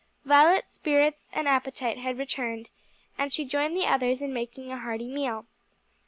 Violet's spirits and appetite had returned, and she joined the others in making a hearty meal.